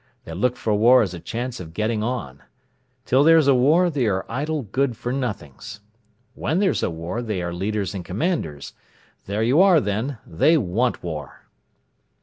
They look for war as a chance of getting on. Till there's a war they are idle good for nothings. When there's a war, they are leaders and commanders. There you are, then—they want war!"